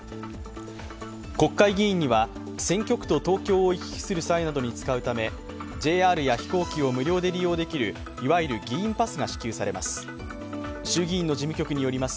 国会議員には選挙区と東京を行き来する際などに使うためＪＲや飛行機を無料で利用できるいわゆる議員パスが支給されます。